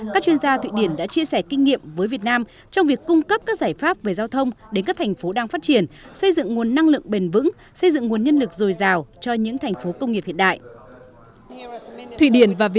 các chuyên gia thụy điển đã chia sẻ kinh nghiệm với việt nam trong việc cung cấp các giải pháp về giao thông đến các thành phố đang phát triển xây dựng nguồn năng lượng bền vững xây dựng nguồn nhân lực dồi dào cho những thành phố công nghiệp hiện đại